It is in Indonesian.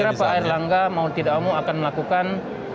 saya kira pak erlangga mau tidak mau akan melakukan